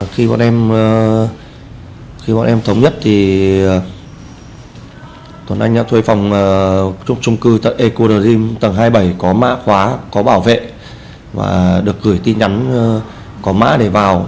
khi bọn em thống nhất thì tuần anh đã thuê phòng trung cư tầng e kuradim tầng hai mươi bảy có mã khóa có bảo vệ và được gửi tin nhắn có mã để vào